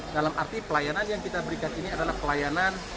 dalam arti pelayanan yang kita berikan ini adalah pelayanan